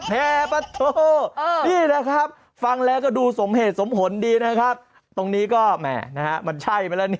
เฮ้ยกูไม่กลัวงูเหรอโอ้โฮ